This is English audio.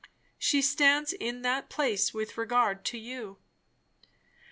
She stands in that place with regard to you."